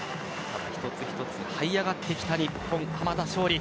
一つ一つ這い上がってきた日本、濱田尚里